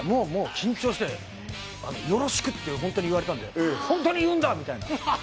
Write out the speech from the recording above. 緊張して、よろしくって本当に言われたんで、本当に言うんだみたいな。